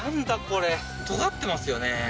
これとがってますよね